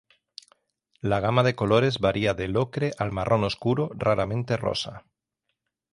La gama de colores varía del ocre al marrón oscuro, raramente rosa.